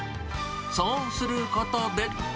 そうすることで。